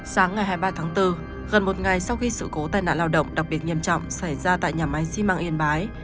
sáng ngày hai mươi ba tháng bốn gần một ngày sau khi sự cố tai nạn lao động đặc biệt nghiêm trọng xảy ra tại nhà máy xi măng yên bái